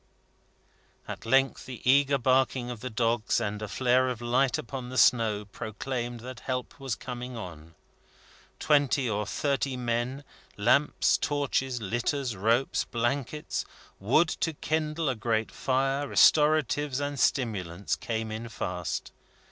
At length the eager barking of the dogs, and a flare of light upon the snow, proclaimed that help was coming on. Twenty or thirty men, lamps, torches, litters, ropes, blankets, wood to kindle a great fire, restoratives and stimulants, came in fast.